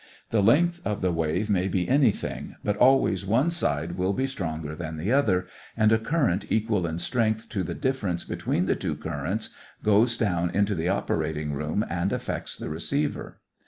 The length of the wave may be anything, but always one side will be stronger than the other, and a current equal in strength to the difference between the two currents goes down into the operating room and affects the receiver.